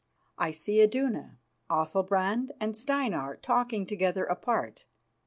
I see Iduna, Athalbrand and Steinar talking together apart.